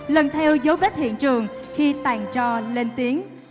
lần theo dấu vết hiện trường khi tàn trò lên tiếng